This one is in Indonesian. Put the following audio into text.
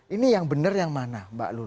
ini yang benar yang mana mbak luna